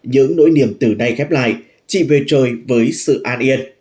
những nỗi niềm từ nay khép lại chị về trời với sự an yên